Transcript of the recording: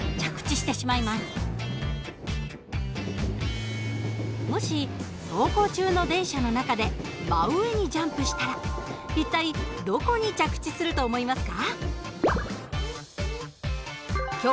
さあ皆さんもし走行中の電車やバスの中で真上にジャンプしたらどこに着地すると思いますか？